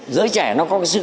giới trẻ nó có cái sự